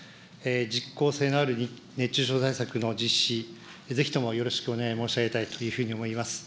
実効性のある熱中症対策の実施、ぜひともよろしくお願い申し上げたいというふうに思います。